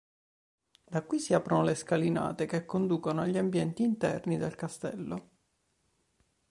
Da qui si aprono le scalinate che conducono agli ambienti interni del castello.